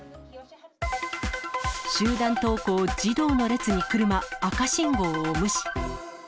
集団登校、児童の列に車、赤信号を無視。